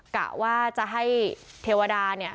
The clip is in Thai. กะว่าจะให้เทวดาเนี่ย